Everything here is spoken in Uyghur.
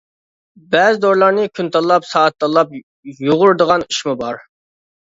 بەزى دورىلارنى كۈن تاللاپ، سائەت تاللاپ يۇغۇرىدىغان ئىشمۇ بار.